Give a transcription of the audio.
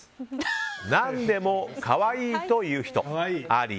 何でも可愛いと言う人あり？